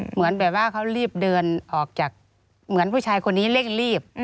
เหมือนแบบว่าเขารีบเดินออกจากเหมือนผู้ชายคนนี้เร่งรีบ